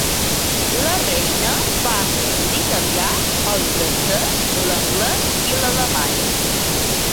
La reina parla l'italià, el francès, l'anglès i l'alemany.